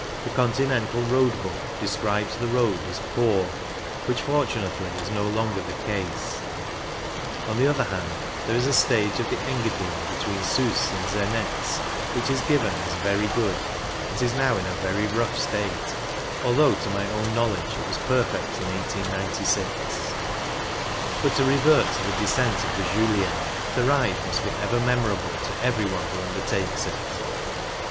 The Contt nental Road Book describes the road as "poor," which fortunately is no longer the case ; on the other hand, there is a stage of the Engadine between Siis and Zernetz which is given as " very good " that is now 86 CYCLING IN THE ALPS in a very rough state, although to my own knowledge it was perfect in 1896. But to revert to the descent of the Julier — the ride must be ever memorable to every one who undertakes it.